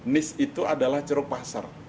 nis itu adalah ceruk pasar